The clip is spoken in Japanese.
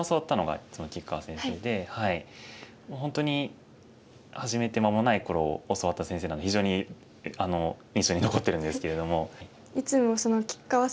もう本当に始めて間もない頃教わった先生なんで非常に印象に残ってるんですけれども。